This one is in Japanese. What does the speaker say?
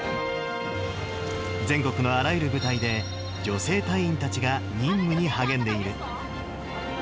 全国のあらゆる部隊で、女性隊員たちが任務に励んでいる。